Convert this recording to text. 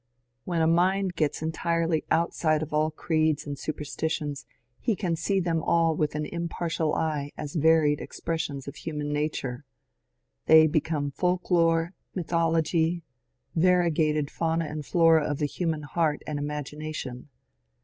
When a mind gets entirely outside of all creeds and supersti tions he can see them all with an impartial eye as varied ex pressions of human nature. They become folk lore, mythology, variegated fauna and flora of the human heart and imagina tion.